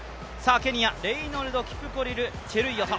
ケニア、レイノルドキプコリル・チェルイヨト。